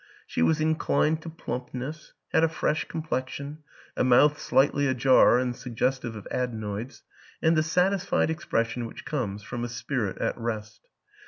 She was inclined to plumpness, had a fresh complexion, a mouth slightly ajar and suggestive of adenoids, and the satisfied expression which comes from a spirit at rest.